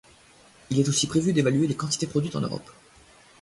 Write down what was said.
Il est aussi prévu d'évaluer les quantités produites en Europe.